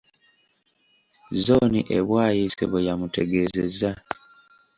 Zooni e Bwaise bwe yamutegeezezza.